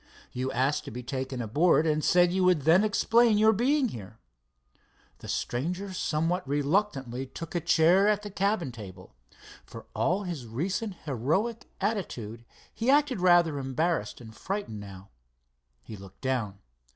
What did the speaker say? You asked to be taken aboard, and said you would then explain your being here." The stranger somewhat reluctantly took a chair at the cabin table. For all his recent heroic attitude, he acted rather embarrassed and frightened now. He looked down.